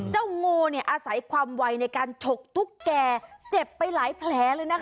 งูเนี่ยอาศัยความไวในการฉกตุ๊กแก่เจ็บไปหลายแผลเลยนะคะ